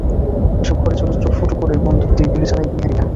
এসব ঘরে ছোট ছোট ফুটো করে বন্দুক দিয়ে গুলি চালায় বিহারিরা।